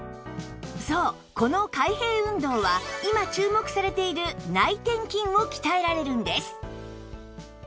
そうこの開閉運動は今注目されている内転筋を鍛えられるんです